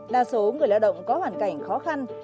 đa số người lao động có hoàn cảnh khó khăn